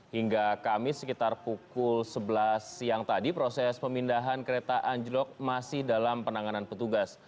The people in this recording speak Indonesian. hingga kamis sekitar pukul sebelas siang tadi proses pemindahan kereta anjlok masih dalam penanganan petugas